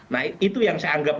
nah itu yang saya anggap